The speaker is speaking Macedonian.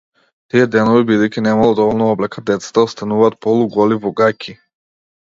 Тие денови, бидејќи немало доволно облека, децата остануваат полуголи, во гаќи.